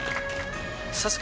ＳＡＳＵＫＥ